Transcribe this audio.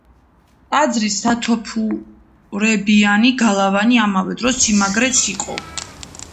ტაძრის სათოფურებიანი გალავანი ამავე დროს სიმაგრეც იყო.